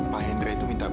pak hendra itu minta apa sih